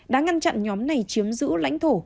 đã ngăn chặn nhóm này chiếm giữ lãnh thổ